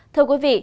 thưa quý vị